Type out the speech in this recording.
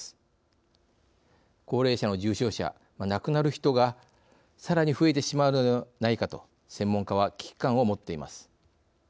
高齢者の重症者亡くなる人がさらに増えてしまうのではないかと専門家は危機感を持っています。